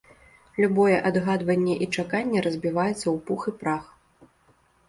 Любое адгадванне і чаканне разбіваецца ў пух і прах.